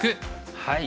はい。